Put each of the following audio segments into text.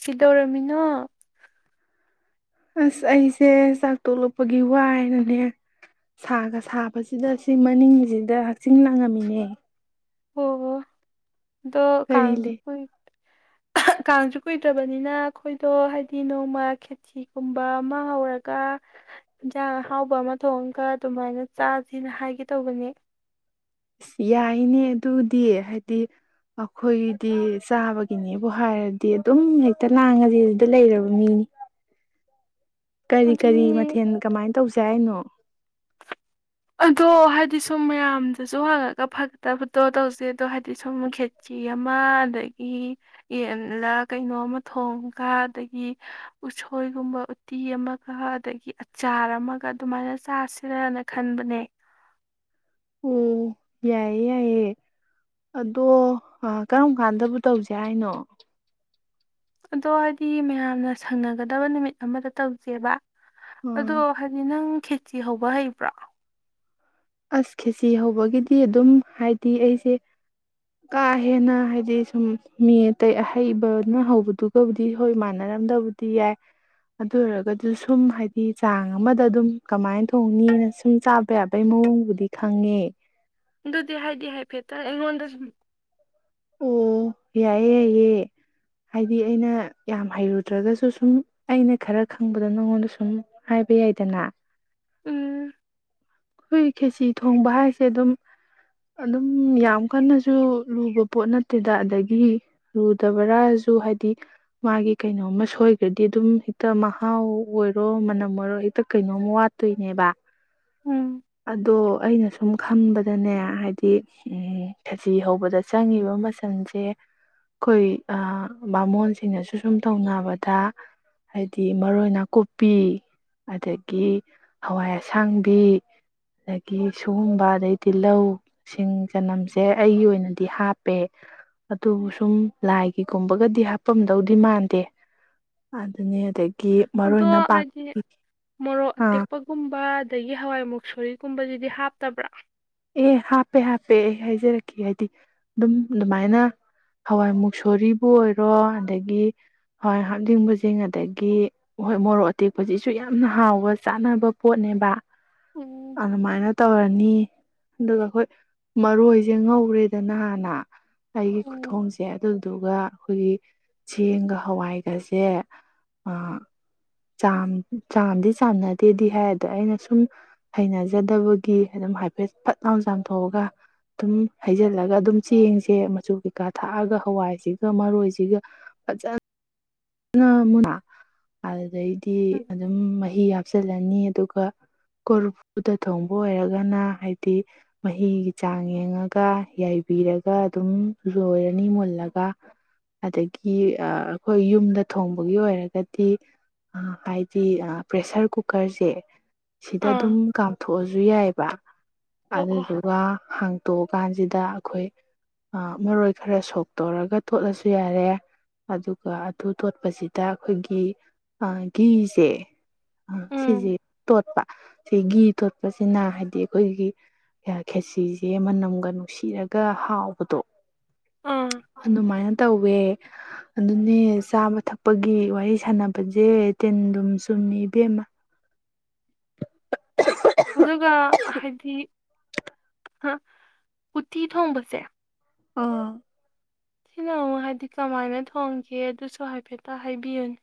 ꯀꯩꯗꯧꯔꯝꯃꯤꯅꯣ ꯑꯣ ꯑꯁ ꯑꯩꯁꯦ ꯆꯥꯛ ꯇꯣꯛꯂꯛꯄꯒꯤ ꯋꯥꯏꯅꯅꯦ ꯁꯥꯒ ꯁꯥꯕꯁꯤꯗ ꯁꯤ ꯃꯅꯤꯡꯁꯤꯗ ꯍꯛꯆꯤ ꯂꯥꯡꯉꯝꯃꯤꯅꯦ ꯑꯣ ꯑꯣ ꯗꯣ ꯀꯔꯤ ꯂꯩ ꯀꯁꯨꯄꯣꯏ ꯀꯥꯡꯁꯨ ꯀꯨꯏꯗ꯭ꯔꯕꯅꯤꯅ ꯑꯩꯈꯣꯏꯗꯣ ꯍꯥꯏꯗꯤ ꯅꯣꯡꯃ ꯈꯦꯊꯤꯒꯨꯝꯕ ꯑꯃ ꯍꯧꯔꯒ ꯏꯟꯁꯥꯡ ꯑꯍꯥꯎꯕ ꯑꯃ ꯊꯣꯡꯉꯒ ꯑꯗꯨꯃꯥꯏꯅ ꯆꯥꯁꯤꯅ ꯍꯥꯏꯒꯦ ꯇꯧꯕꯅꯦ ꯌꯥꯏꯅꯦ ꯑꯗꯨꯗꯤ ꯍꯥꯏꯗꯤ ꯑꯩꯈꯣꯏꯒꯤꯗꯤ ꯆꯥꯕꯒꯤꯅꯦꯕꯨ ꯍꯥꯏꯔꯗꯤ ꯑꯗꯨꯝ ꯍꯦꯛꯇ ꯂꯥꯡꯉꯗꯤ ꯑꯗꯨꯗ ꯂꯩꯔꯕ ꯃꯤꯅꯤ ꯀꯔꯤ ꯑꯗꯨꯅꯤ ꯀꯔꯤ ꯃꯊꯦꯜ ꯀꯃꯥꯏꯅ ꯇꯧꯁꯦ ꯍꯥꯏꯅꯣ ꯑꯗꯣ ꯍꯥꯏꯗꯤ ꯁꯨꯝ ꯃꯌꯥꯝꯗꯁꯨ ꯍꯥꯡꯉꯒ ꯐꯒꯠꯇꯕꯗꯣ ꯇꯧꯁꯩ ꯑꯗꯣ ꯍꯥꯏꯗꯤ ꯁꯨꯝ ꯈꯦꯆꯤ ꯑꯃ ꯑꯗꯒꯤ ꯌꯦꯟꯂꯥ ꯀꯩꯅꯣ ꯑꯃ ꯊꯣꯡꯒ ꯑꯗꯒꯤ ꯎꯁꯣꯏꯒꯨꯝꯕ ꯎꯠꯇꯤ ꯑꯃꯒ ꯑꯗꯒꯤ ꯑꯆꯥꯔ ꯑꯃꯒ ꯑꯗꯨꯃꯥꯏꯅ ꯆꯥꯁꯤꯔꯅ ꯈꯟꯕꯅꯦ ꯑꯣ ꯌꯥꯏꯌꯦ ꯌꯥꯏꯌꯦ ꯑꯗꯣ ꯀꯔꯝ ꯀꯥꯟꯗꯕꯨ ꯇꯧꯁꯦ ꯍꯥꯏꯅꯣ ꯑꯗꯣ ꯍꯥꯏꯗꯤ ꯃꯌꯥꯝꯅ ꯁꯪꯅꯒꯗꯕ ꯅꯨꯃꯤꯠ ꯑꯃꯗ ꯇꯧꯁꯦꯕ ꯑꯗꯣ ꯍꯥꯏꯗꯤ ꯅꯪ ꯈꯦꯆꯤ ꯍꯧꯕ ꯍꯩꯕ꯭ꯔꯥ ꯑꯁ ꯈꯦꯁꯤ ꯍꯧꯕꯒꯤꯗꯤ ꯑꯗꯨꯝ ꯍꯥꯏꯗꯤ ꯑꯩꯁꯦ ꯀꯥ ꯍꯦꯟꯅ ꯍꯥꯏꯗꯤ ꯁꯨꯝ ꯃꯤ ꯑꯇꯩ ꯑꯍꯩꯕꯅ ꯍꯧꯕꯗꯨꯒꯕꯨꯗꯤ ꯍꯣꯏ ꯃꯥꯟꯅꯔꯝꯗꯕꯨꯗꯤ ꯌꯥꯏ ꯑꯗꯨ ꯑꯣꯏꯔꯒꯁꯨ ꯁꯨꯝ ꯍꯥꯏꯗꯤ ꯆꯥꯡ ꯑꯃꯗ ꯑꯗꯨꯝ ꯀꯃꯥꯏꯅ ꯊꯣꯡꯅꯤꯅ ꯁꯨꯝ ꯆꯥꯕ ꯌꯥꯕ ꯃꯑꯣꯡꯕꯨꯗꯤ ꯈꯪꯉꯦ ꯑꯥꯗꯨꯗꯤ ꯍꯥꯏꯗꯤ ꯍꯥꯏꯐꯦꯇꯥ ꯑꯩꯉꯣꯜꯗ ꯑꯣ ꯌꯥꯏꯌꯦ ꯌꯥꯏꯌꯦ ꯍꯥꯏꯗꯤ ꯑꯩꯅ ꯌꯥꯝ ꯍꯩꯔꯨꯗ꯭ꯔꯒꯁꯨ ꯁꯨꯝ ꯑꯩꯅ ꯈꯔ ꯈꯪꯕꯗ ꯅꯉꯣꯟꯗ ꯁꯨꯝ ꯍꯥꯏꯕ ꯌꯥꯏꯗꯅ ꯎꯝ ꯑꯩꯈꯣꯏ ꯈꯦꯁꯤ ꯊꯣꯡꯕ ꯍꯥꯏꯁꯦ ꯑꯗꯨꯝ ꯑꯗꯨꯝ ꯌꯥꯝ ꯀꯟꯅꯁꯨ ꯂꯨꯕ ꯄꯣꯠ ꯅꯠꯇꯦꯗ ꯑꯗꯒꯤ ꯂꯨꯗꯕ꯭ꯔꯥꯁꯨ ꯍꯥꯏꯗꯤ ꯃꯥꯒꯤ ꯀꯩꯅꯣꯝꯃ ꯁꯣꯏꯈ꯭ꯔꯗꯤ ꯑꯗꯨꯝ ꯍꯦꯛꯇ ꯃꯍꯥꯎ ꯑꯣꯏꯔꯣ ꯃꯅꯝ ꯑꯣꯏꯔꯣ ꯍꯦꯛꯇ ꯀꯩꯅꯣꯝꯃ ꯋꯥꯠꯇꯣꯏꯅꯦꯕ ꯎꯝ ꯑꯗꯣ ꯑꯩꯅ ꯁꯨꯝ ꯈꯟꯕꯗꯅꯦ ꯍꯥꯏꯗꯤ ꯈꯖꯤ ꯍꯧꯕꯗ ꯆꯪꯉꯤꯕ ꯃꯆꯜꯁꯦ ꯑꯩꯈꯣꯏ ꯃꯕꯥꯃꯣꯟꯁꯤꯡꯅꯁꯨ ꯁꯨꯝ ꯇꯧꯅꯕꯗ ꯍꯥꯏꯗꯤ ꯃꯔꯣꯏ ꯅꯥꯀꯨꯞꯄꯤ ꯑꯗꯒꯤ ꯍꯋꯥꯏ ꯑꯁꯥꯡꯕꯤ ꯑꯗꯒꯤ ꯁꯒꯣꯡꯕ ꯑꯗꯩ ꯇꯤꯜꯍꯧ ꯁꯤꯡ ꯆꯅꯝꯁꯦ ꯑꯩꯒꯤ ꯑꯣꯏꯅꯗꯤ ꯍꯥꯞꯄꯦ ꯑꯗꯨꯕꯨ ꯁꯨꯝ ꯂꯥꯏꯒꯤꯒꯨꯝꯕꯒꯗꯤ ꯍꯥꯞꯄꯝꯗꯧꯗꯤ ꯃꯥꯟꯗꯦ ꯑꯗꯨꯅꯤ ꯑꯗꯒꯤ ꯑꯗꯣ ꯃꯔꯣꯏ ꯅꯄꯥꯛ ꯍꯥꯏꯗꯤ ꯃꯣꯔꯣꯛ ꯑꯥ ꯑꯇꯦꯛꯄꯒꯨꯝꯕ ꯑꯗꯒꯤ ꯍꯋꯥꯏꯃꯨꯛ ꯁꯣꯔꯤꯒꯨꯝꯕꯗꯨꯗꯤ ꯍꯥꯞꯇꯕ꯭ꯔꯥ ꯑꯦ ꯍꯥꯞꯄꯦ ꯍꯥꯞꯄꯦ ꯑꯩ ꯍꯥꯏꯖꯔꯛꯀꯦ ꯍꯥꯏꯗꯤ ꯑꯗꯨꯝ ꯑꯗꯨꯃꯥꯏꯅ ꯍꯋꯥꯏ ꯃꯨꯛꯁꯣꯔꯤꯕꯨ ꯑꯣꯏꯔꯣ ꯑꯗꯒꯤ ꯍꯋꯥꯏ ꯍꯥꯞꯇꯡꯕꯁꯤꯡ ꯑꯗꯒꯤ ꯍꯣꯏ ꯃꯣꯔꯣꯛ ꯑꯇꯦꯛꯄꯁꯤꯁꯨ ꯌꯥꯝꯅ ꯍꯥꯎꯕ ꯆꯥꯅꯕ ꯄꯣꯠꯅꯦꯕ ꯎꯝ ꯑ ꯃꯥꯏꯅ ꯇꯧꯔꯅꯤ ꯑꯗꯨꯒ ꯑꯩꯈꯣꯏ ꯃꯔꯣꯏꯁꯦ ꯉꯧꯔꯦꯗꯅ ꯍꯥꯟꯅ ꯑꯩꯒꯤ ꯎꯝ ꯈꯨꯊꯣꯡꯁꯦ ꯑꯗꯨꯗꯨꯒ ꯑꯩꯈꯣꯏꯒꯤ ꯆꯦꯡꯒ ꯍꯋꯥꯏꯒꯁꯦ ꯆꯥꯝꯗꯤ ꯆꯥꯟꯅꯗꯦꯗꯤ ꯍꯥꯏ ꯑꯗꯣ ꯑꯩꯅ ꯁꯨꯝ ꯍꯩꯅꯖꯗꯕꯒꯤ ꯑꯗꯨꯝ ꯍꯥꯏ ꯍꯥꯏꯐꯦꯠ ꯐꯠ ꯂꯥꯅ ꯆꯥꯝꯊꯣꯛꯑꯒ ꯑꯗꯨꯝ ꯍꯩꯖꯤꯜꯂꯒ ꯑꯗꯨꯝ ꯆꯦꯡꯁꯦ ꯃꯆꯨ ꯀꯩꯀꯥ ꯊꯥꯛꯑꯒ ꯍꯋꯥꯏꯁꯤꯒ ꯃꯔꯣꯏꯁꯤꯒ ꯐꯖꯅ ꯑ ꯃꯅꯥ ꯑꯗꯩꯗꯤ ꯎꯝ ꯑꯗꯨꯝ ꯃꯍꯤ ꯍꯥꯞꯆꯤꯜꯂꯅꯤ ꯑꯗꯨꯒ ꯀꯣꯔꯐꯨꯗ ꯊꯣꯡꯕ ꯑꯣꯏꯔꯒꯅ ꯍꯥꯏꯗꯤ ꯃꯍꯤꯒꯤ ꯆꯥꯡ ꯌꯦꯡꯉꯒ ꯌꯥꯏꯕꯤꯔꯒ ꯑꯗꯨꯝ ꯂꯣꯏꯔꯅꯤ ꯃꯨꯜꯂꯒ ꯑꯗꯒꯤ ꯑꯩꯈꯣꯏ ꯌꯨꯝ ꯗ ꯊꯣꯡꯕꯒꯤ ꯑꯣꯏꯔꯒꯗꯤ ꯍꯥꯏꯗꯤ ꯄ꯭ꯔꯦꯁꯔ ꯀꯨꯀꯔꯁꯦ ꯁꯤꯗ ꯑꯥ ꯑꯗꯨꯝ ꯀꯥꯞꯊꯣꯛ ꯑꯣꯖꯨ ꯌꯥꯕ ꯑꯣ ꯑꯗ ꯑꯣ ꯌꯒꯥ ꯍꯪ ꯇꯣꯛꯑꯀꯥꯟꯁꯤꯗ ꯑꯩꯈꯣꯏ ꯃꯔꯣꯏ ꯈꯔ ꯁꯣꯛ ꯇꯧꯔꯒ ꯇꯣꯠꯂꯁꯨ ꯌꯥꯔꯦ ꯑꯗꯨꯒ ꯑꯗꯨ ꯇꯣꯠꯄꯁꯤꯗ ꯑꯩꯈꯣꯏꯒꯤ ꯘꯁꯦ ꯑ ꯁꯤꯖꯤ ꯎꯝ ꯇꯣꯠꯄꯥ ꯁꯤ ꯘꯤ ꯇꯣꯠꯄꯁꯤꯅ ꯍꯥꯏꯗꯤ ꯑꯩꯈꯣꯏꯒꯤ ꯈꯦꯁꯤꯁꯦ ꯃꯅꯝꯒ ꯅꯨꯡꯁꯤꯔꯒ ꯍꯥꯎꯕꯗꯣ ꯑꯥ ꯑꯗꯨꯃꯥꯏꯅ ꯇꯧꯋꯦ ꯑꯗꯨꯅꯦ ꯆꯥꯕ ꯊꯛꯄꯒꯤ ꯋꯥꯔꯤ ꯁꯥꯟꯅꯕꯁꯦ ꯇꯤꯟꯗꯨꯝ ꯆꯨꯝꯃꯤ ꯏꯕꯦꯝꯃ ꯑꯗꯨꯒ ꯍꯥꯏꯗꯤ ꯑ ꯎꯇꯤ ꯊꯣꯡꯕꯁꯦ ꯑꯥ ꯊꯤꯅꯨ ꯍꯥꯏꯕꯗꯤ ꯀꯃꯥꯏꯅ ꯊꯣꯡꯒꯦ ꯑꯗꯨꯁꯨ ꯍꯥꯏꯐꯦꯠꯇ ꯍꯥꯏꯕꯤꯌꯨꯅꯦ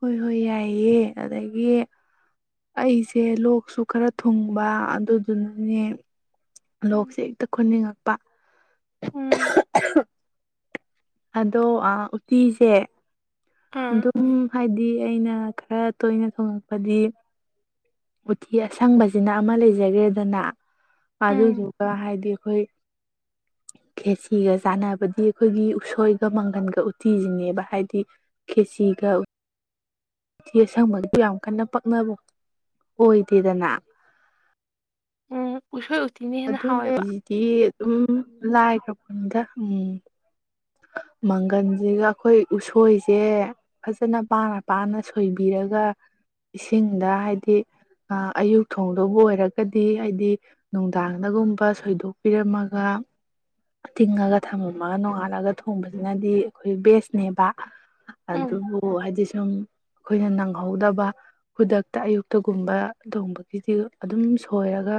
ꯍꯣꯏ ꯍꯣꯏ ꯌꯥꯏꯑꯦ ꯑꯗꯒꯤ ꯑꯩꯁꯦ ꯂꯣꯛꯁꯨ ꯈꯔ ꯊꯨꯡꯕ ꯑꯗꯨꯗꯨꯅꯅꯦ ꯎꯝ ꯂꯣꯛꯁꯦ ꯍꯦꯛꯇ ꯈꯨꯟꯅꯤꯡꯉꯛꯄ ꯎꯝ ꯑꯗꯣ ꯎꯇꯤꯁꯦ ꯑꯥ ꯑꯗꯨꯝ ꯍꯥꯏꯗꯤ ꯑꯩꯅ ꯈꯔ ꯇꯣꯏꯅ ꯊꯣꯉꯛꯄꯗꯤ ꯎꯇꯤ ꯑꯁꯪꯕꯁꯤꯅ ꯑꯃ ꯂꯩꯖꯈ꯭ꯔꯦꯗꯅ ꯎꯝ ꯑꯗꯨꯗꯨꯒ ꯍꯥꯏꯗꯤ ꯑꯩꯈꯣꯏ ꯈꯦꯁꯤꯒ ꯆꯥꯟꯅꯕꯗꯤ ꯑꯩꯈꯣꯏꯒꯤ ꯎꯁꯣꯏꯒ ꯃꯪꯒꯟꯒ ꯎꯇꯤꯁꯤꯅꯦꯕ ꯍꯥꯏꯗꯤ ꯀꯦꯆꯒ ꯎꯇꯤ ꯑꯁꯪꯕꯒꯤꯁꯨ ꯌꯥꯝ ꯀꯟꯅ ꯄꯛꯅꯕ ꯑꯣꯏꯗꯦꯗꯅ ꯎꯝ ꯎꯁꯣꯏ ꯎꯇꯤꯅ ꯍꯦꯟꯅ ꯍꯥꯎꯋꯦꯕ ꯑꯗꯨꯅꯗꯤ ꯑꯗꯨꯝ ꯂꯥꯏꯈ꯭ꯔꯕ ꯎꯝ ꯃꯪꯒꯟꯁꯤꯒ ꯑꯩꯈꯣꯏ ꯎꯁꯣꯏꯁꯦ ꯐꯖꯅ ꯄꯥꯅ ꯄꯥꯅ ꯁꯣꯏꯕꯤꯔꯒ ꯏꯁꯤꯡꯗ ꯍꯥꯏꯗꯤ ꯑꯌꯨꯛ ꯊꯣꯡꯗꯕꯨ ꯑꯣꯏꯔꯒꯗꯤ ꯍꯥꯏꯗꯤ ꯅꯨꯡꯗꯥꯡꯗꯒꯨꯝꯕ ꯁꯣꯏꯗꯣꯛꯄꯤꯔꯝꯃꯒ ꯇꯤꯡꯉꯒ ꯊꯝꯃꯝꯃꯒ ꯅꯣꯡꯉꯥꯜꯂꯒ ꯊꯣꯡꯕꯁꯤꯅꯗꯤ ꯑꯩꯈꯣꯏ ꯕꯦꯁꯅꯦꯕ ꯑꯗꯨ ꯎꯝ ꯍꯥꯏꯖꯤ ꯁꯝ ꯑꯩꯈꯣꯏꯅ ꯅꯪꯍꯧꯗꯕ ꯈꯨꯗꯛꯇ ꯑꯌꯨꯛꯇꯒꯨꯝꯕ ꯇꯣꯡꯕꯒꯤꯗꯤ ꯑꯗꯨꯝ ꯁꯣꯏꯔꯒ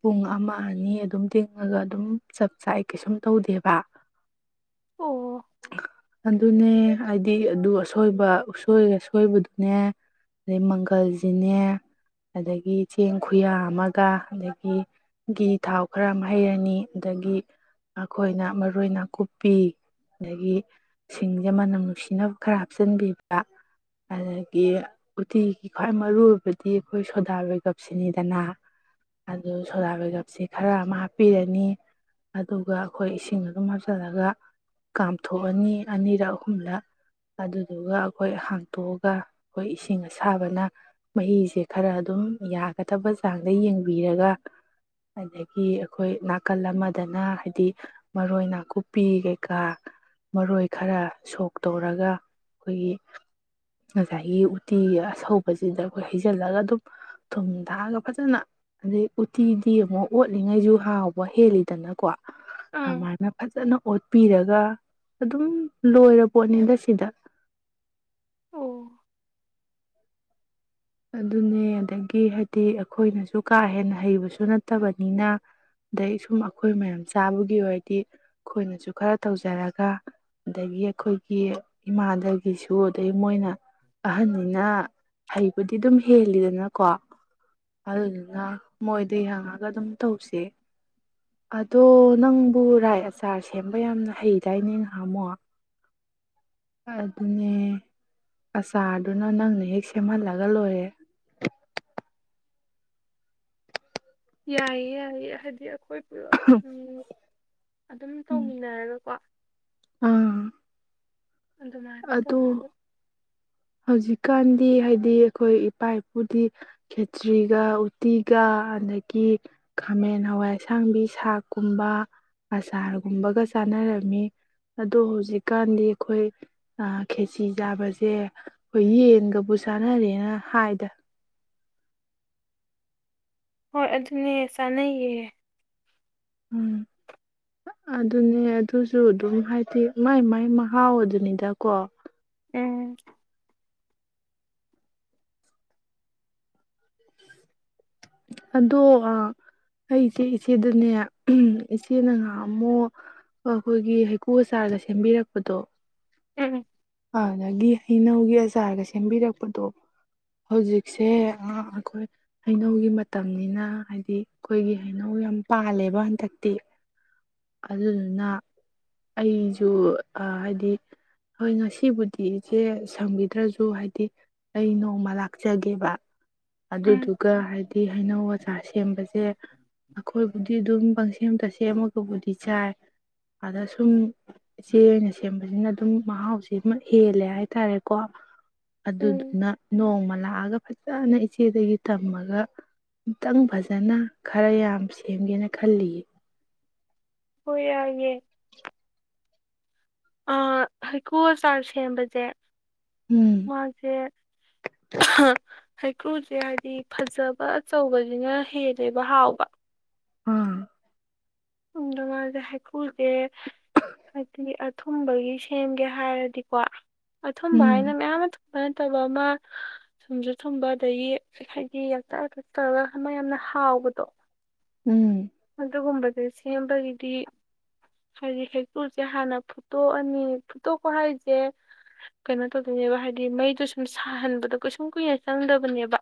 ꯄꯨꯡ ꯑꯃ ꯑꯅꯤ ꯑꯗꯨꯝ ꯇꯤꯡꯉꯒ ꯑꯗꯨꯝ ꯆ ꯉꯁꯥꯏ ꯑꯩ ꯀꯩꯁꯨꯝ ꯇꯧꯗꯦꯕ ꯑꯣ ꯑꯗꯨꯅꯦ ꯍꯥꯏꯗꯤ ꯑꯗꯨ ꯑꯁꯣꯏꯕ ꯑꯁꯣꯏꯕꯗꯨꯅꯦ ꯑꯗꯩ ꯃꯪꯒꯜꯁꯤꯅꯦ ꯑꯗꯒꯤ ꯆꯦꯡ ꯈꯨꯌꯥ ꯑꯃꯒ ꯑꯗꯒꯤ ꯒꯤꯘꯤ ꯊꯥꯎ ꯈꯔ ꯑꯃ ꯍꯩꯔꯅꯤ ꯑꯗꯒꯤ ꯑꯩꯈꯣꯏꯅ ꯃꯔꯨ ꯅꯥꯀꯨꯞꯄꯤ ꯑꯗꯒꯤ ꯁꯤꯡꯁꯦ ꯃꯅꯝ ꯅꯨꯡꯁꯤꯅꯕ ꯈꯔ ꯍꯥꯞꯆꯤꯟꯕꯤꯕ ꯑꯗꯒꯤ ꯎꯇꯤꯒꯤ ꯈ꯭ꯋꯥꯏ ꯃꯔꯨ ꯑꯣꯏꯕꯗꯤ ꯑꯩꯈꯣꯏ ꯁꯣꯗꯥ ꯕꯦꯒꯞꯁꯤꯅꯤꯗꯅ ꯑꯗꯨ ꯁꯣꯗꯥ ꯕꯦꯒꯞꯁꯦ ꯈꯔ ꯑꯃ ꯍꯥꯞꯄꯤꯔꯅꯤ ꯑꯗꯨꯒ ꯑꯩꯈꯣꯏ ꯏꯁꯤꯡ ꯑꯗꯨꯝ ꯍꯥꯞꯆꯤꯜꯂꯒ ꯀꯥꯝꯊꯣꯛꯑꯅꯤ ꯑꯅꯤꯔꯛ ꯑꯍꯨꯝꯂꯛ ꯑꯗꯨꯗꯨꯒ ꯑꯩꯈꯣꯏ ꯍꯥꯡꯇꯣꯛꯑꯒ ꯑꯩꯈꯣꯏ ꯏꯁꯤꯡ ꯑꯁꯥꯕꯅ ꯃꯍꯤꯁꯦ ꯈꯔ ꯑꯗꯨꯝ ꯌꯥꯒꯗꯕ ꯆꯥꯡꯗ ꯌꯦꯡꯕꯤꯔꯒ ꯑꯗꯒꯤ ꯑꯩꯈꯣꯏ ꯅꯥꯀꯜ ꯑꯃ ꯐꯗꯅ ꯍꯥꯏꯗꯤ ꯃꯔꯣꯏ ꯅꯥꯀꯨꯞꯄꯤ ꯀꯩꯀꯥ ꯃꯔꯣꯏ ꯈꯔ ꯁꯣꯛ ꯇꯧꯔꯒ ꯑꯩꯈꯣꯏꯒꯤ ꯉꯁꯥꯏꯒꯤ ꯎꯇꯤ ꯑꯁꯧꯕꯁꯤꯗ ꯑꯩꯈꯣꯏ ꯍꯩꯖꯤꯜꯂꯒ ꯑꯗꯨꯝ ꯊꯨꯝ ꯊꯥꯛꯑꯒ ꯐꯖꯅ ꯑꯗꯩ ꯎꯠꯇꯤꯗꯤ ꯑꯃꯨꯛ ꯑꯣꯠꯂꯤꯉꯩꯁꯨ ꯍꯥꯎꯕ ꯍꯦꯜꯂꯤ ꯠꯇꯅꯀꯣ ꯑꯪ ꯃꯥꯏꯅ ꯐꯖꯅ ꯄꯤꯔꯒ ꯑꯗꯨꯝ ꯂꯣꯏꯔ ꯄꯣꯠꯅꯤꯗ ꯁꯤꯗ ꯑꯣ ꯑꯗꯨꯅꯦ ꯑꯗꯒꯤ ꯍꯥꯏꯗꯤ ꯑꯩꯈꯣꯏꯅꯁꯨ ꯀꯥ ꯍꯦꯟꯅ ꯍꯩꯕꯁꯨ ꯅꯠꯇꯕꯅꯤꯅ ꯑꯗꯩ ꯁꯨꯝ ꯑꯩꯈꯣꯏ ꯃꯌꯥꯝ ꯆꯥꯕꯒꯤ ꯑꯣꯏꯔꯗꯤ ꯑꯩꯈꯣꯏꯅꯁꯨ ꯈꯔ ꯇꯧꯖꯔꯒ ꯑꯗꯒꯤ ꯑꯩꯈꯣꯏꯒꯤ ꯏꯃꯥꯗꯒꯤ ꯒꯤꯁꯨ ꯑꯗꯩ ꯃꯣꯏꯅ ꯑꯍꯟꯅꯤꯅ ꯍꯥꯏ ꯕꯨꯗꯤ ꯑꯗꯨꯝ ꯍꯦꯜꯂꯤꯗꯅꯀꯣ ꯑꯗꯨꯗꯨꯅ ꯃꯣꯏꯗ ꯌꯦꯡꯉꯒ ꯑꯗꯨꯝ ꯇꯧꯁꯦ ꯑꯗꯣ ꯅꯪꯕꯨ ꯔꯥꯏ ꯑꯆꯥꯔ ꯁꯦꯝꯕ ꯌꯥꯝꯅ ꯍꯩꯗꯥꯏꯅꯦ ꯍꯥꯝꯃꯣ ꯑꯗꯨꯅꯦ ꯑꯆꯥꯔꯗꯨꯅ ꯅꯪꯅ ꯍꯦꯛ ꯁꯦꯝꯍꯜꯂꯒ ꯂꯣꯏꯔꯦ ꯌꯥꯏꯌꯦ ꯌꯥꯏꯌꯦ ꯍꯥꯏꯗꯤ ꯑꯩꯈꯣꯏ ꯄꯨꯂꯞ ꯑꯗꯨꯝ ꯇꯧꯃꯤꯟꯅꯔꯒꯀꯣ ꯑ ꯑꯗ ꯃꯅꯇ ꯑꯣꯏꯔꯔꯕ ꯍꯧꯖꯤꯛꯀꯥꯟꯗꯤ ꯍꯥꯏꯗꯤ ꯑꯩꯈꯣꯏ ꯏꯄꯥ ꯏꯄꯨꯗꯤ ꯈꯦꯇ꯭ꯔꯤꯒ ꯎꯇꯤꯒ ꯑꯗꯒꯤ ꯈꯥꯃꯦꯟ ꯍꯋꯥꯏ ꯑꯁꯥꯡꯕꯤ ꯁꯥꯛꯀꯨꯝꯕ ꯑꯆꯥꯔꯒꯨꯝꯕꯒ ꯆꯥꯅꯔꯝꯃꯤ ꯑꯗꯣ ꯍꯧꯖꯤꯛꯀꯥꯟꯗꯤ ꯑꯩꯈꯣꯏ ꯈꯦꯆ ꯆꯥꯕꯁꯦ ꯍꯣꯏ ꯌꯦꯟꯒꯕꯨ ꯆꯥꯟꯅꯔꯦꯅ ꯍꯥꯏꯗ ꯍꯣꯏ ꯑꯗꯨꯅꯦ ꯆꯥꯅꯩꯌꯦ ꯎꯝ ꯑꯗꯨꯅꯦ ꯑꯗꯨꯁꯨ ꯑꯗꯨꯝ ꯍꯥꯏꯗꯤ ꯃꯥꯏ ꯃꯥꯏ ꯃꯍꯥꯎ ꯑꯗꯨꯅꯤꯗꯀꯣ ꯎꯝ ꯑꯗꯣ ꯑꯩ ꯏꯆꯦ ꯏꯆꯦꯗꯅꯦ ꯏꯆꯦꯅ ꯉꯍ ꯑꯃꯨꯛ ꯑꯩꯈꯣꯏꯒꯤ ꯍꯩꯀꯨꯆꯥꯔꯒ ꯁꯦꯝꯕꯤꯔꯛꯄꯗꯣ ꯎꯝ ꯗꯒꯤ ꯍꯩꯅꯧꯒꯤ ꯑꯆꯥꯔꯒ ꯁꯦꯝꯕꯤꯔꯛꯄꯗꯣ ꯍꯧꯖꯤꯛꯁꯦ ꯑꯩꯈꯣꯏ ꯍꯩꯅꯧꯒꯤ ꯃꯇꯝꯅꯤꯅ ꯍꯥꯏꯗꯤ ꯑꯩꯈꯣꯏꯒꯤ ꯍꯩꯅꯧ ꯌꯥꯝ ꯄꯥꯜꯂꯦꯕ ꯍꯟꯗꯛꯇꯤ ꯑꯗꯨꯗꯨꯅ ꯑꯩꯁꯨ ꯍꯥꯏꯗꯤ ꯍꯣꯏ ꯉꯁꯤꯕꯨꯗꯤ ꯏꯆꯦ ꯁꯪꯕꯤꯗ꯭ꯔꯁꯨ ꯍꯥꯏꯗꯤ ꯑꯩ ꯅꯣꯡꯃ ꯂꯥꯛꯆꯒꯦꯕ ꯎꯝ ꯑꯗꯨꯗꯨꯒ ꯍꯥꯏꯗꯤ ꯍꯩꯅꯧ ꯑꯆꯥ ꯁꯦꯝꯕꯁꯦ ꯑꯩꯈꯣꯏꯕꯨꯗꯤ ꯑꯗꯨꯝ ꯄꯪꯁꯦꯝꯇ ꯁꯦꯝꯃꯒꯕꯨꯗꯤ ꯆꯥꯏ ꯑꯗ ꯁꯨꯝ ꯏꯆꯦ ꯑꯣꯏꯅ ꯁꯦꯝꯕꯁꯤꯅ ꯑꯗꯨꯝ ꯃꯍꯥꯎꯁꯤ ꯍꯦꯜꯂꯦ ꯍꯥꯏꯇꯥꯔꯦꯀꯣ ꯎꯝ ꯑꯗꯨꯗꯨꯅ ꯅꯣꯡꯃꯂꯥ ꯊꯥꯛꯑꯒ ꯐꯖꯅ ꯏꯆꯦꯗꯒꯤ ꯇꯝꯃꯒ ꯑꯃꯨꯇꯪ ꯐꯖꯅ ꯈꯔ ꯌꯥꯝ ꯁꯦꯝꯒꯦꯅ ꯈꯜꯂꯤꯌꯦ ꯍꯌꯥꯒꯦ ꯑ ꯍꯩꯀꯨ ꯆꯔ ꯁꯦꯝꯕꯁꯦ ꯎꯝ ꯃꯥꯁꯦ ꯍꯩꯀ꯭ꯔꯨꯁꯦ ꯍꯥꯏꯕꯗꯤ ꯐꯖꯕ ꯑꯆꯧꯕꯁꯤꯅ ꯍꯦꯜꯂꯦꯕ ꯍꯥꯎꯕ ꯑꯝ ꯗ ꯃꯥꯥꯁꯦ ꯍꯩꯈꯨꯁꯦ ꯍꯥꯏꯗꯤ ꯑꯊꯨꯝꯕꯒꯤ ꯁꯦꯝꯒꯦ ꯍꯥꯏꯔꯗꯤꯀꯣ ꯑꯊꯨꯝꯕ ꯍꯥꯏꯅ ꯎꯝ ꯃꯌꯥꯝ ꯑꯃ ꯊꯨꯝꯕ ꯅꯠꯇꯕ ꯑꯃ ꯊꯨꯝꯁꯨ ꯊꯨꯝꯕ ꯑꯗꯒꯤ ꯍꯥꯏꯗꯤ ꯌꯥꯆꯛꯛꯆꯆꯔꯒ ꯌꯥꯝꯅ ꯍꯥꯎꯕꯗꯣ ꯎꯝ ꯑꯗꯨꯒꯨꯝꯕꯁ ꯁꯦꯝꯕꯒꯤꯗꯤ ꯍꯥꯏꯗꯤ ꯍꯦꯛꯇꯨꯁꯦ ꯍꯥꯟꯅ ꯐꯨꯠꯇꯣꯛꯑꯅꯤ ꯐꯨꯠꯇꯣꯛꯄ ꯍꯥꯏꯁꯦ ꯀꯩꯅꯣ ꯇꯧꯗꯣꯏꯅꯦꯕ ꯍꯥꯏꯗꯤ ꯃꯩꯗꯣ ꯁꯨꯝ ꯁꯥꯍꯟꯕꯗꯣ ꯀꯨꯏꯁꯨꯝ ꯀꯨꯏꯅ ꯆꯪꯗꯕꯅꯦꯕ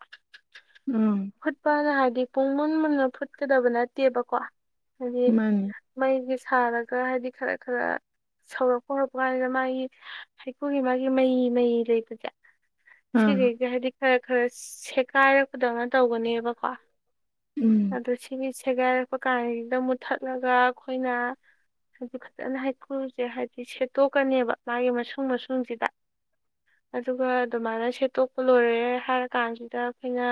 ꯑꯥ ꯐꯨꯠꯄꯜ ꯍꯥꯏꯦ ꯗꯤ ꯄꯨꯡ ꯃꯟ ꯃꯟꯅ ꯐꯨꯠꯀꯗꯕꯅꯦ ꯠꯇꯦꯕꯀꯣ ꯑ ꯃꯥꯅꯤ ꯃꯒꯤ ꯁꯥꯔꯒ ꯍꯥꯏꯗꯤ ꯈꯔ ꯈꯔ ꯁꯧꯔꯛꯄ ꯍꯧꯔꯛꯄ ꯀꯥꯟꯁꯤꯗ ꯃꯥꯒꯤ ꯍꯩꯀꯨꯒꯤ ꯃꯥꯒꯤ ꯃꯩ ꯃꯩ ꯂꯩꯕꯁꯦ ꯁꯤꯔꯤ ꯑꯥ ꯌꯥꯗꯤ ꯈꯔ ꯈꯔ ꯁꯠ ꯀꯥꯏꯔꯛꯄꯗꯧꯅ ꯇꯧꯒꯅꯦꯕꯀꯣ ꯎꯝ ꯑꯗꯨ ꯁꯤꯒꯤꯁꯦ ꯔꯛꯄ ꯀꯥꯟꯁꯤꯗ ꯃꯨꯠꯊꯠꯂꯒ ꯑꯩꯈꯣꯏꯅ ꯍꯥꯏꯗꯤ ꯐꯖꯅ ꯍꯩꯀ꯭ꯔꯨꯁꯦ ꯍꯥꯏꯕꯗꯤ ꯁꯦꯠꯇꯣꯛꯀꯅꯦꯕ ꯃꯥꯒꯤ ꯃꯁꯨꯡ ꯃꯁꯨꯡꯁꯤꯗ ꯑꯗꯨꯒ ꯑꯗꯨꯃꯥꯏꯅ ꯁꯦꯠꯇꯣꯛꯄ ꯂꯣꯏꯔꯦ ꯍꯥꯏꯔꯀꯥꯟꯁꯤꯗ ꯑꯩꯈꯣꯏꯅ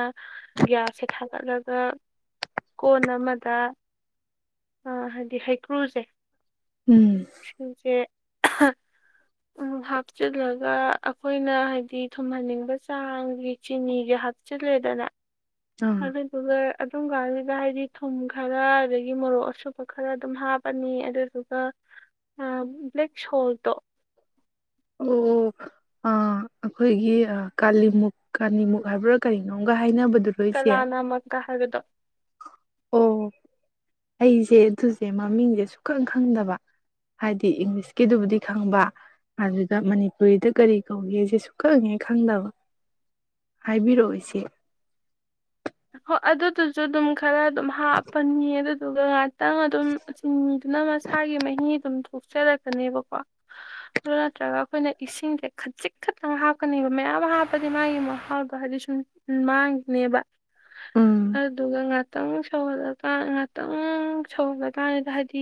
ꯒ꯭ꯌꯥꯁꯁꯦ ꯊꯥꯒꯠꯂꯒ ꯀꯣꯟ ꯊꯃꯗ ꯑꯥ ꯍꯥꯏꯗꯤ ꯍꯩꯀ꯭ꯔꯨꯁꯦ ꯎꯝ ꯁꯤꯁꯦ ꯎ ꯍꯥꯞꯆꯤꯜꯂꯒ ꯑꯩꯈꯣꯏꯅ ꯍꯥꯏꯗꯤ ꯊꯨꯝꯍꯟꯅꯤꯡꯕ ꯆꯥꯡꯒꯤ ꯆꯤꯅꯤꯒꯤ ꯍꯥꯞꯆꯤꯜꯂꯦꯗꯅ ꯑꯥ ꯑꯗ ꯑꯗꯨꯗ ꯑꯗꯨ ꯑꯗꯨ ꯀ ꯍꯥꯏꯗꯤ ꯊꯨꯝ ꯈꯔ ꯑꯗꯒꯤ ꯃꯣꯔꯣꯛ ꯑꯁꯨꯕ ꯈꯔ ꯑꯗꯨꯝ ꯍꯥꯞꯄꯅꯤ ꯑꯗꯨꯗꯨꯒ ꯕ꯭ꯂꯦꯛ ꯁꯣꯜꯗꯣ ꯑꯣ ꯑ ꯑꯩꯈꯣꯏꯒꯤ ꯀꯥꯂꯤꯃꯨꯛ ꯀꯥꯂꯤꯃꯨꯛ ꯍꯥꯏꯕ꯭ꯔꯥ ꯀꯔꯤꯅꯣꯝꯒ ꯍꯥꯏꯅꯕꯗꯨꯔꯣꯏꯁꯦ ꯀꯂꯥꯅꯥꯃꯛꯀ ꯍꯥꯏꯕꯗꯣ ꯑꯣ ꯑꯩꯁꯦ ꯑꯗꯨꯁꯦ ꯃꯃꯤꯡꯁꯦ ꯁꯨꯛꯈꯪ ꯈꯪꯗꯕ ꯍꯥꯏꯗꯤ ꯏꯪꯂꯤꯁꯀꯤꯗꯨꯕꯨꯗꯤ ꯈꯪꯕ ꯑꯗꯨꯒ ꯃꯅꯤꯄꯨꯔꯤꯗ ꯀꯔꯤ ꯀꯧꯒꯦꯁꯦ ꯁꯨꯛꯈꯪꯉꯦ ꯈꯪꯗꯕ ꯍꯥꯏꯕꯤꯔꯛꯑꯣꯁꯦ ꯍꯣ ꯑꯗꯨꯗꯨꯁꯨ ꯑꯗꯨꯝ ꯈꯔ ꯑꯗꯨꯝ ꯍꯥꯞꯄꯅꯤ ꯑꯗꯨ ꯑꯗꯨꯒꯒ ꯈꯤꯇꯪ ꯑꯗꯨꯝ ꯆꯤꯟꯕꯤꯗꯨꯅ ꯃꯁꯥꯒꯤ ꯃꯍꯤ ꯑꯗꯨꯝ ꯊꯣꯛꯆꯔꯛꯀꯅꯦꯕꯀꯣ ꯑꯗꯨ ꯅꯠꯇ꯭ꯔꯒ ꯑꯩꯈꯣꯏꯅ ꯏꯁꯤꯡꯁꯦ ꯈꯖꯤꯤꯛ ꯈꯠꯇꯅ ꯍꯥꯞꯀꯅꯦꯕ ꯃꯌꯥꯝ ꯍꯥꯞꯄꯗꯤ ꯃꯥꯒꯤ ꯃꯍꯥꯎꯗꯣ ꯍꯥꯏꯗꯤ ꯁꯨꯝ ꯃꯥꯡꯈꯤꯅꯦꯕ ꯑ ꯎꯝ ꯑꯗꯨꯗꯨꯒ ꯉ ꯉꯥꯛꯇꯪ ꯁꯧꯍꯜꯂꯀ ꯉꯥꯛꯇꯪ ꯁꯧꯍꯜꯂꯀꯥꯟꯉꯗ ꯍꯥꯏꯗꯤ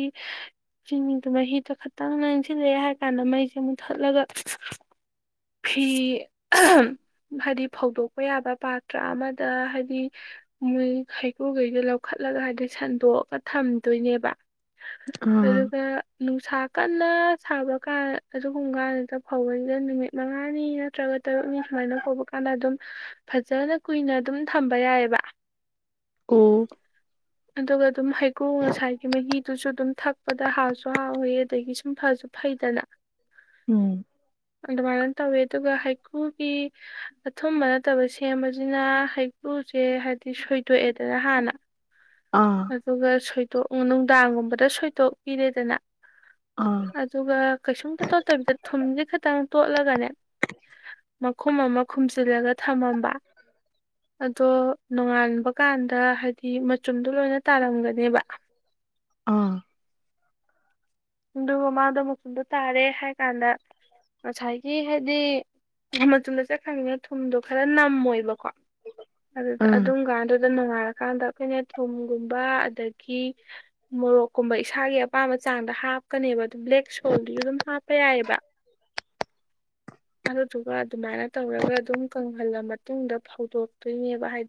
ꯆꯤꯡꯅꯤꯗꯨꯣ ꯃꯍꯤꯗꯣ ꯈꯈꯤꯇꯪ ꯅꯪꯁꯤꯜꯂꯛꯑꯦ ꯍꯥꯏꯔ ꯀꯥꯟꯗ ꯃꯩꯁꯦ ꯃꯨꯊꯠꯂꯒ ꯐꯤ ꯍꯥꯏꯗꯤ ꯐꯧꯗꯣꯛꯄ ꯌꯥꯕ ꯄꯥꯇ꯭ꯔ ꯑꯃꯗ ꯍꯥꯏꯗꯤ ꯃꯣꯏ ꯍꯩꯀ꯭ꯔꯨꯈꯩꯗ ꯂꯧꯈꯠꯂꯒ ꯍꯥꯏꯗꯤ ꯁꯟꯗꯣꯛꯑꯒ ꯊꯝꯗꯣꯏꯅꯦꯕ ꯎꯝ ꯑꯗꯨꯒ ꯅꯨꯡꯁꯥꯛ ꯀꯟꯅ ꯁꯥꯕ ꯀꯥꯟ ꯑꯗꯨꯒꯨꯝꯕ ꯀꯥꯟꯗꯨꯗ ꯐꯧꯕꯁꯤꯗ ꯅꯨꯃꯤꯠ ꯃꯉꯥꯅꯤ ꯅꯠꯇ꯭ꯔꯒ ꯇꯔꯨꯛꯅꯤ ꯁꯨꯃꯥꯏꯅ ꯐꯧꯕ ꯀꯥꯟꯗ ꯑꯗꯨꯝ ꯐꯖꯅ ꯀꯨꯏꯅ ꯑꯗꯨꯝ ꯊꯝꯕ ꯌꯥꯏꯑꯕ ꯑꯣ ꯑꯗꯨꯒ ꯑꯗꯨꯝ ꯍꯩꯀ꯭ꯔꯨ ꯉꯁꯥꯏꯒꯤ ꯃꯍꯤꯗꯨꯁꯨ ꯑꯗꯨꯝ ꯊꯛꯄꯗ ꯍꯥꯎꯁꯨ ꯍꯥꯎꯋꯤ ꯑꯗꯒꯤ ꯁꯨꯝ ꯐꯁꯨ ꯐꯩꯗꯅ ꯎꯝ ꯑꯗꯨꯃꯥꯏꯅ ꯇꯧꯋꯦ ꯑꯗꯨꯒ ꯍꯩꯀ꯭ꯔꯨꯒꯤ ꯑꯊꯨꯝꯕ ꯅꯠꯇꯕ ꯁꯦꯝꯕꯁꯤꯅ ꯍꯩꯀ꯭ꯔꯨꯁꯦ ꯍꯥꯏꯕꯗꯤ ꯁꯣꯏꯗꯣꯛꯑꯦꯗꯅ ꯍꯥꯟꯅ ꯑꯥ ꯑꯗꯨꯒ ꯁꯣꯏꯗꯣꯛ ꯅꯨꯡꯗꯥꯡꯒꯨꯝꯕꯗ ꯁꯣꯏꯗꯣꯛ ꯀꯤꯔꯦꯗꯅ ꯑꯥ ꯑꯗꯨꯒ ꯀꯩꯁꯨꯝꯇ ꯇꯣꯠꯇꯕꯤꯗ ꯊꯨꯝꯁꯦ ꯈꯤꯇꯪ ꯇꯣꯠꯂꯒꯅꯦ ꯃꯈꯨꯝ ꯑꯃ ꯈꯨꯝꯖꯤꯜꯂꯒ ꯊꯝꯃꯝꯕ ꯑꯗꯣ ꯅꯣꯡꯉꯥꯟꯕ ꯀꯥꯟꯗ ꯍꯥꯏꯗꯤ ꯂꯣꯏꯅ ꯇꯥꯔꯝꯒꯅꯦꯕ ꯑꯥ ꯑꯗꯨꯒ ꯃꯥꯗꯣ ꯃꯟꯗꯣ ꯇꯥꯔꯦ ꯍꯥꯏꯀꯥꯟꯗ ꯉꯁꯥꯏꯒꯤ ꯍꯥꯏꯗꯤ ꯃꯆꯨꯝꯗ ꯆꯠꯈꯪꯅꯤꯤꯅ ꯊꯨꯝꯗꯣ ꯈꯔ ꯅꯝꯃꯣꯏꯕꯀꯣ ꯑꯗꯨꯗ ꯎꯝ ꯑꯗꯨꯝ ꯀꯥꯟ ꯑꯗ ꯅꯣꯡ ꯉꯥꯜꯂꯀꯥꯟꯗ ꯑꯩꯈꯣꯏꯅ ꯊꯨꯝꯒꯨꯝꯕ ꯑꯗꯒꯤ ꯃꯣꯔꯣꯛꯀꯨꯝꯕ ꯏꯁꯥꯒꯤ ꯑꯄꯥꯝꯕ ꯆꯥꯡꯗ ꯍꯥꯞ ꯀꯅꯦꯕ ꯑꯗꯨꯝ ꯕ꯭ꯂꯦꯛ ꯁꯣꯜꯗꯨꯁꯨ ꯑꯗꯨꯝ ꯍꯥꯞꯄ ꯌꯥꯏꯌꯦꯕ ꯑꯗꯨꯗꯨꯒ ꯑꯗꯨꯃꯥꯏꯅ ꯇꯧꯔꯒ ꯑꯗꯨꯝ ꯀꯪꯍꯜꯂ ꯃꯇꯨꯡꯗ ꯐꯧꯗꯣꯛꯇꯣꯏꯅꯦꯕ ꯍꯥꯏꯗꯤ